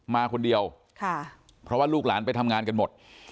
มาคนเดียวค่ะเพราะว่าลูกหลานไปทำงานกันหมด